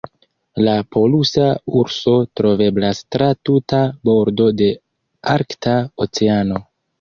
La polusa urso troveblas tra tuta bordo de Arkta Oceano.